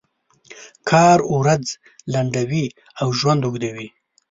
کار ورځ لنډوي او ژوند اوږدوي.